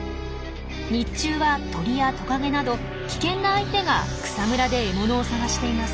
日中は鳥やトカゲなど危険な相手が草むらで獲物を探しています。